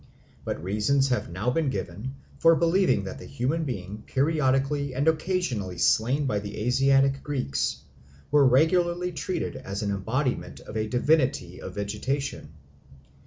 But reasons have now been given for believing that the human being periodically and occasionally slain by the Asiatic Greeks was regularly treated as an embodiment of a divinity of vegetation.